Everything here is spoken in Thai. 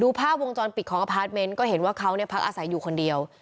ภาพวงจรปิดของอพาร์ทเมนต์ก็เห็นว่าเขาพักอาศัยอยู่คนเดียว